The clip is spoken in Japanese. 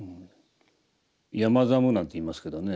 山作務なんて言いますけどね